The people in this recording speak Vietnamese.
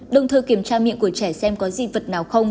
đồng thời kiểm tra miệng của trẻ xem có di vật nào không